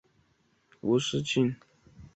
乐曲短小而曲风明亮。